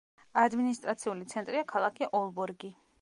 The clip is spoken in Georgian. ადმინისტრაციული ცენტრია ქალაქი ოლბორგი.